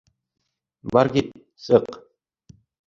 Бар кит, сыҡ!